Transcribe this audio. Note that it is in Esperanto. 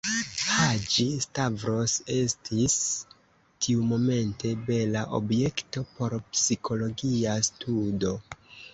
Haĝi-Stavros estis tiumomente bela objekto por psikologia studo.